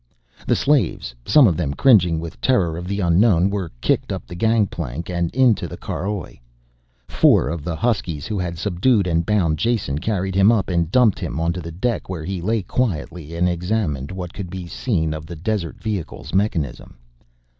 The slaves, some of them cringing with terror of the unknown, were kicked up the gangplank and into the caroj. Four of the huskies who had subdued and bound Jason carried him up and dumped him onto the deck where he lay quietly and examined what could be seen of the desert vehicle's mechanism.